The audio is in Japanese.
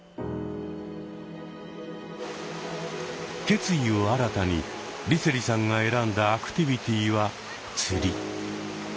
決意を新たに梨星さんが選んだアクティビティは釣り。